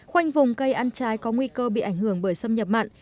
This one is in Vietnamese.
khoanh vùng cây ăn trái có nguy cơ bị ảnh hưởng bởi xâm nhập mặn